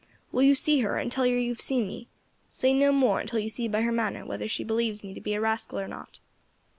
Will you see her, and tell her you have seen me? Say no more until you see by her manner whether she believes me to be a rascal or not.'"